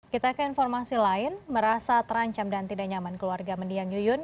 kita ke informasi lain merasa terancam dan tidak nyaman keluarga mendiang yuyun